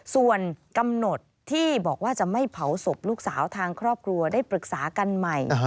ส่วนกำหนดที่บอกว่าจะไม่เผาศพลูกสาวทางครอบครัวได้ปรึกษากันใหม่